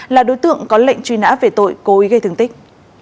là đối tượng có lệnh truy nã về tội cố ý gây thương tích